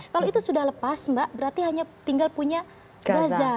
kalau itu sudah lepas mbak berarti hanya tinggal punya gaza